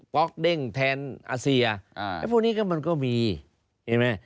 ๊อกเด้งแทนอาเซียแล้วพวกนี้ก็มันก็มีเห็นไหม